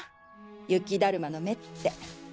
雪だるまの目って。